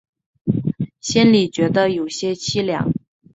心里觉得有点凄凉